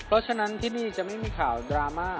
เพราะฉะนั้นที่นี่จะไม่มีข่าวดราม่า